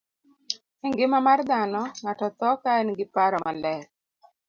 E ngima mar dhano, ng'ato tho ka en gi paro maler.